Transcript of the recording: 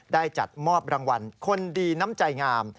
ได้จัดมอบรางวัลคนดีน้ำใจงาม